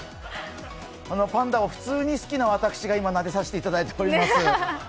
パンダを普通に好きな私が今、なでさせていただいています。